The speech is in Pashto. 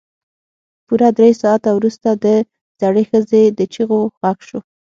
پوره درې ساعته وروسته د زړې ښځې د چيغو غږ شو.